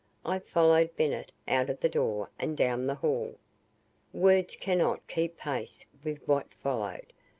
I followed Bennett out of the door and down the hall. Words cannot keep pace with what followed.